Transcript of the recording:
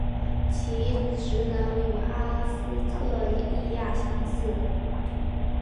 其职能与阿斯特莉亚相似。